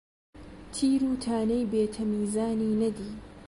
تیر و تانەی بێ تەمیزانی نەدی،